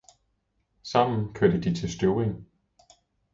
Sammen kørte de til Støvring